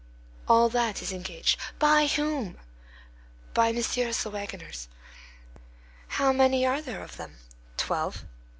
"All that is engaged." "By whom?" "By messieurs the wagoners." "How many are there of them?" "Twelve."